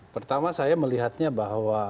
pertama saya melihatnya bahwa